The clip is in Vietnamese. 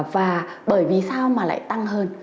và bởi vì sao lại tăng hơn